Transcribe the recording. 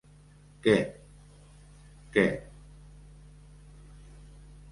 Què, què...